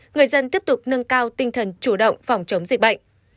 người dân tiếp tục nâng cao tinh thần chủ động phòng chống dịch bệnh